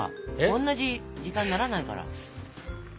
おんなじ時間にならないから。